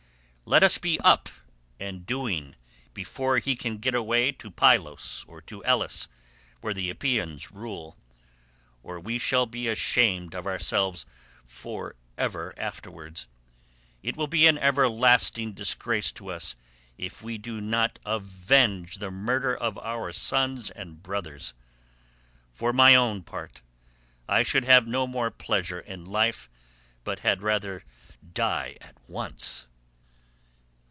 Let us be up and doing before he can get away to Pylos or to Elis where the Epeans rule, or we shall be ashamed of ourselves for ever afterwards. It will be an everlasting disgrace to us if we do not avenge the murder of our sons and brothers. For my own part I should have no more pleasure in life, but had rather die at once.